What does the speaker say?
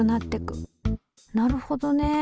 なるほどね。